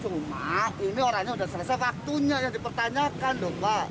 cuma ini orangnya sudah selesai waktunya yang dipertanyakan dong pak